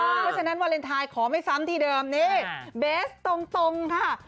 เพราะฉะนั้นวาเลนไทยขอไม่ซ้ำที่เดิมนี่เบสตรงค่ะ